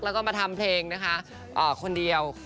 แล้วก็มาทำเพลงนะคะคนเดียว